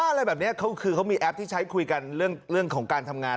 อะไรแบบนี้เขาคือเขามีแอปที่ใช้คุยกันเรื่องของการทำงาน